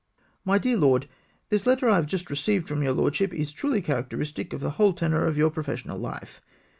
"My Dear Lord, — The letter I have just received from your lordship is truly characteristic of the whole tenour of your professional life.